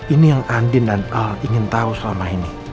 ini yang andin dan al ingin tahu selama ini